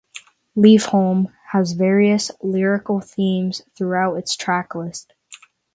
"Leave Home" has various lyrical themes throughout its track list.